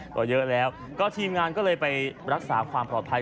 ก็เยอะแล้วก็ทีมงานก็เลยไปรักษาความปลอดภัย